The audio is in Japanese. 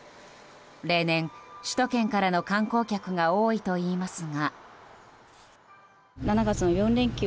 例年、首都圏からの観光客が多いといいますが。